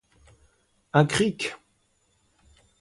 Un cric!